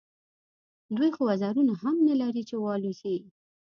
دوی خو وزرونه هم نه لري چې والوزي.